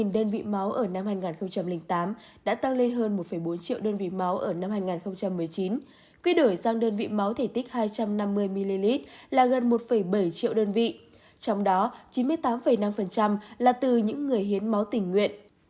một mươi đơn vị máu ở năm hai nghìn tám đã tăng lên hơn một bốn triệu đơn vị máu ở năm hai nghìn một mươi chín quy đổi sang đơn vị máu thể tích hai trăm năm mươi ml là gần một bảy triệu đơn vị trong đó chín mươi tám năm là từ những người hiến máu tình nguyện